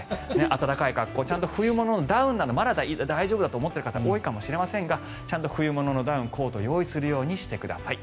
暖かい格好ちゃんと冬物のダウンなどまだ大丈夫だと思っている方多いかもしれませんがちゃんと冬物のダウン、コートを用意するようにしてください。